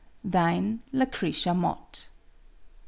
"Thine, "LUCRETIA MOTT."